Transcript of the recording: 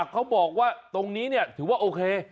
เขาบอกว่าตรงนี้ถือว่าโอเค